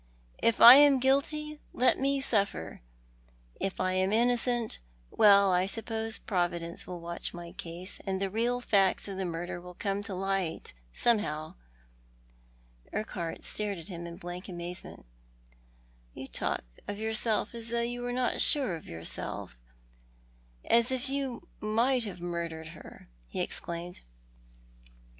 If I am guilty let me suffer. If I am innocent — well, I suppose Providence will watch my case, and the real facts of the murder will come to light, somehow." Urquhart stared at him in blank amazement. "You talk of yourself as if you were not sure of yourself — as if you might have murdered her," he exclaimed.